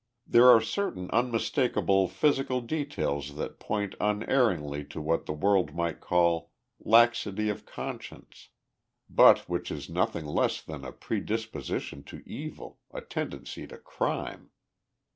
There are certain unmistakable physical details that point unerringly to what the world might call 'laxity of conscience,' but which is nothing less than a predisposition to evil, a tendency to crime.